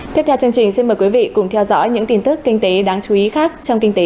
tiếp theo chương trình xin mời quý vị cùng theo dõi những tin tức kinh tế đáng chú ý khác trong kinh tế